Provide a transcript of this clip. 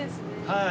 はい。